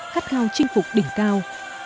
khát khao chinh phục đỉnh cao